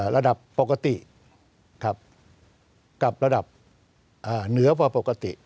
ระดับปกติครับกับระดับเหนือพอปกติ